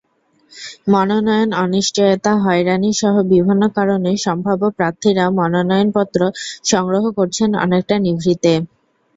মনোনয়ন অনিশ্চয়তা, হয়রানিসহ বিভিন্ন কারণে সম্ভাব্য প্রার্থীরা মনোনয়নপত্র সংগ্রহ করছেন অনেকটা নিভৃতে।